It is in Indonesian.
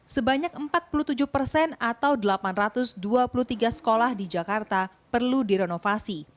sebanyak empat puluh tujuh persen atau delapan ratus dua puluh tiga sekolah di jakarta perlu direnovasi